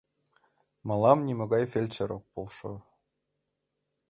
— Мылам нимогай фельдшер ок полшо...